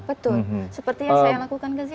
betul seperti yang saya lakukan ke sini